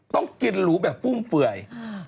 ต้องกินหรูแบบฟุ่มเฟื่อย